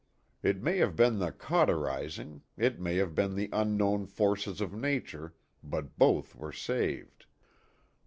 It may have been the cauterizing, it may have been the unknown forces of nature, but both were saved.